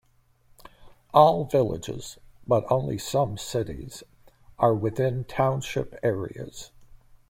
All villages, but only some cities, are within township areas.